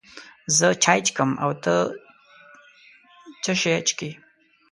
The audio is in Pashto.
زه چای چکم، او ته څه شی چیکې؟